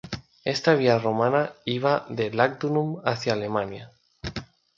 Esta vía romana iba de Lugdunum hacia Alemania.